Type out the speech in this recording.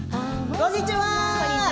こんにちは。